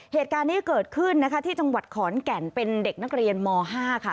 เหตุการณ์นี้เกิดขึ้นนะคะที่จังหวัดขอนแก่นเป็นเด็กนักเรียนม๕ค่ะ